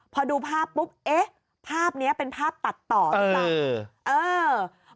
พอดูภาพปุ๊บเอ๊ะภาพนี้เป็นภาพตัดต่อหรือเปล่า